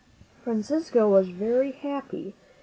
Francisco was very happy.